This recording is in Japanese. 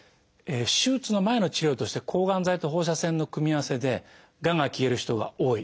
手術の前の治療としては抗がん剤と放射線の組み合わせでがんが消える人が多い。